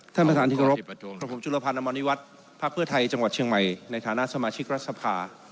แต่เดี๋ยวคุณจุลภัณฑ์ยืนนานนะครับท่านประธาน